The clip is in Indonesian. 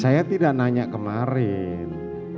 saya tidak nanya kemarin